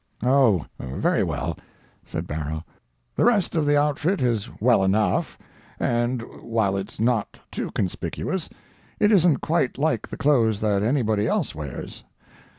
"Oh, very well," said Barrow, "the rest of the outfit, is well enough, and while it's not too conspicuous, it isn't quite like the clothes that anybody else wears.